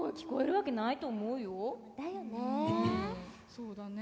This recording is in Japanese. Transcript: そうだね。